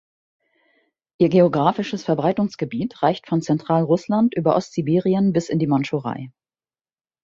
Ihr geographisches Verbreitungsgebiet reicht von Zentralrussland über Ostsibirien bis in die Mandschurei.